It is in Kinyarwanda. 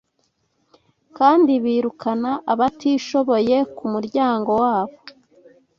kandi birukana abatishoboye ku muryango wabo